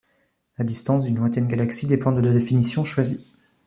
La distance d'une lointaine galaxie dépend de la définition choisie.